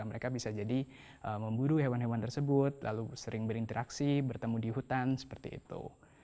mereka bisa jadi memburu hewan hewan tersebut lalu sering berinteraksi bertemu di hutan seperti itu